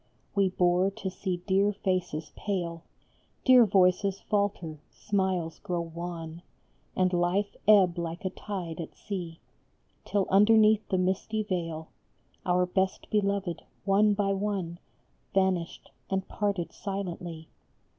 We bore to see dear faces pale, Dear voices falter, smiles grow wan, And life ebb like a tide at sea, Till underneath the misty veil Our best beloved, one by one, Vanished and parted silently.